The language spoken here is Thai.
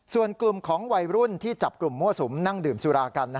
ส่วนกลุ่มของวัยรุ่นที่จับกลุ่มมั่วสุมนั่งดื่มสุรากัน